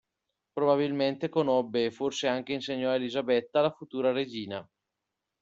Probabilmente conobbe e forse anche insegnò a Elisabetta, la futura regina.